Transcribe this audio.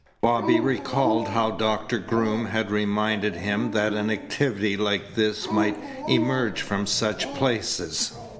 Bobby recalled how Doctor Groom had reminded him that an activity like this might emerge from such places.